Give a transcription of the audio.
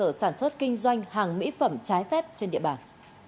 cơ sở sản xuất kinh doanh hàng mỹ phẩm trái phép trên địa bàn